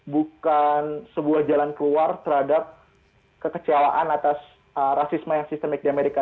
bukan sebuah jalan keluar terhadap kekecewaan atas rasisme yang sistemik di amerika